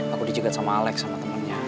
aku dijegat sama alex sama temennya